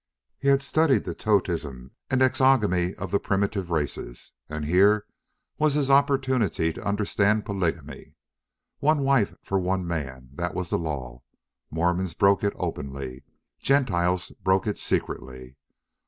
He had studied the totemism and exogamy of the primitive races, and here was his opportunity to understand polygamy. One wife for one man that was the law. Mormons broke it openly; Gentiles broke it secretly.